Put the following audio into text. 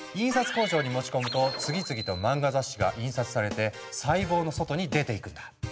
工場に持ち込むと次々と漫画雑誌が印刷されて細胞の外に出ていくんだ。